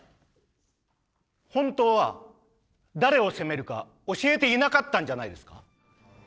本当は誰を攻めるか教えていなかったんじゃないですか？